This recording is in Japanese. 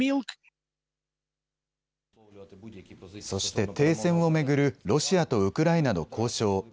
そして停戦を巡るロシアとウクライナの交渉。